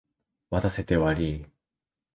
待たせてわりい。